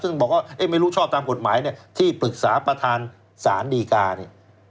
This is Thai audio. ซึ่งบอกว่าไม่รู้ชอบตามกฎหมายเนี่ยที่ปรึกษาประธานสารดีกาเนี่ย